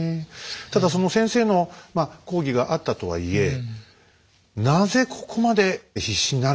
ただその先生の講義があったとはいえなぜここまで必死になれたと思いますか？